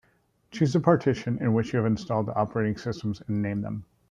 Choose the "partition" in which you have installed operating systems and name them.